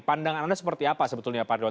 pandangan anda seperti apa sebetulnya pak ridwan